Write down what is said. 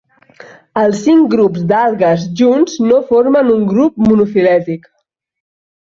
Els cinc grups d'algues junts no formen un grup monofilètic.